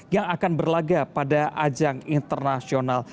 yang akan berlaga pada ajang internasional